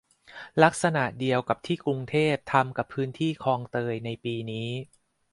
ลักษณะเดียวกับที่กรุงเทพทำกับพื้นที่คลองเตยในปีนี้